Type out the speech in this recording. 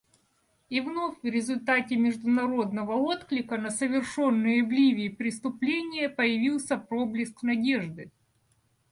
И вновь в результате международного отклика на совершенные в Ливии преступления появился проблеск надежды.